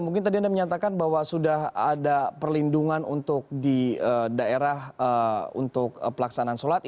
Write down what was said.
mungkin tadi anda menyatakan bahwa sudah ada perlindungan untuk di daerah untuk pelaksanaan sholat